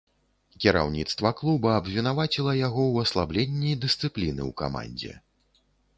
Кіраўніцтва клуба абвінаваціла яго ў аслабленні дысцыпліны ў камандзе.